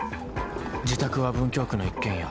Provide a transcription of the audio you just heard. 自宅は文京区の一軒家。